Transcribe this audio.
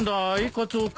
カツオ君。